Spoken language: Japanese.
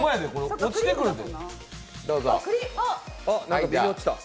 落ちてくるで。